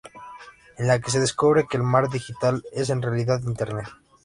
En la se descubre que el Mar digital es en realidad Internet.